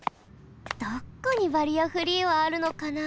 どこにバリアフリーはあるのかな？